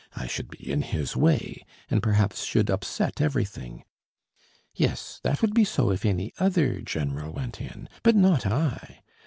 I should be in his way, and perhaps should upset everything. Yes, that would be so if any other general went in, but not I....